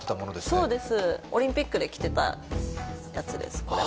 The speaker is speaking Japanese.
そうですオリンピックで着てたやつです